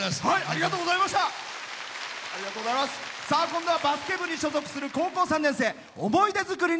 今度はバスケ部に所属する高校３年生。